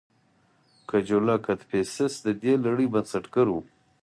کجولا کدفیسس د دې لړۍ بنسټګر و